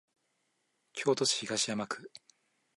京都市東山区